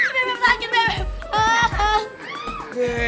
bebe sakit bebe